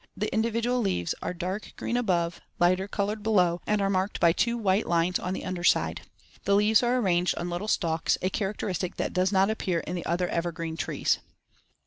8). The individual leaves are dark green above, lighter colored below, and are *marked by two white lines on the under side* (Fig. 10). The leaves are arranged on little stalks, a characteristic that does not appear in the other evergreen trees.